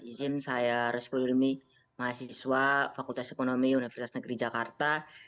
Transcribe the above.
izin saya resmi mahasiswa fakultas ekonomi universitas negeri jakarta